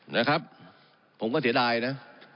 นะครับผมก็เสียดายนะ